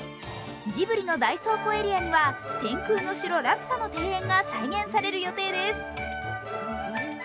ジブリの大倉庫エリアには「天空の城ラピュタ」の庭園が再現される予定です。